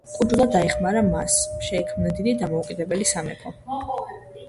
კუჯულა დაეხმარა მას შეექმნა დიდი დამოუკიდებელი სამეფო.